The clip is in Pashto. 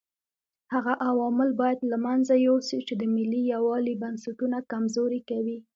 هغه عوامل باید له منځه یوسو چې د ملي یووالي بنسټونه کمزوري کوي.